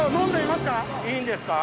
いいんですか？